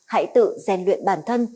hãy tự rèn luyện bản thân